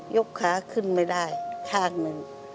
กขาขึ้นไม่ได้ข้างหนึ่ง